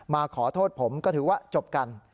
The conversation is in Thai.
มาขอโทษผมก็ถือว่าจบกัน